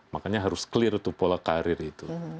makanya harus clear itu pola karir itu